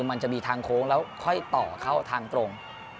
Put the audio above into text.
มันจะมีทางโค้งแล้วค่อยต่อเข้าทางตรง